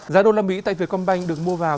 giá đô la mỹ tại việt công banh được mua vào